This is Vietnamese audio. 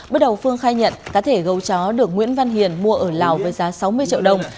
bước đầu phương khai nhận cá thể gấu chó được nguyễn văn hiền mua ở lào với giá sáu mươi triệu đồng